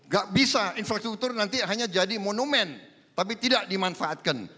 gak bisa infrastruktur nanti hanya jadi monumen tapi tidak dimanfaatkan